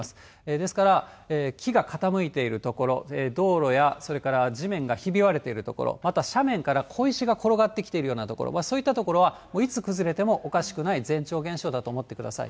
ですから、木が傾いている所、道路やそれから地面がひび割れている所、また斜面から小石が転がってきているような所、そういった所はいつ崩れてもおかしくない、前兆現象だと思ってください。